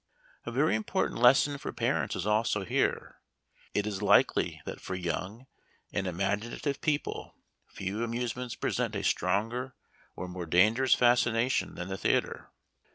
A very important lesson for parents is also here. It is likely that for young and imagina tive people few amusements present a stronger or more dangerous fascination than the theater.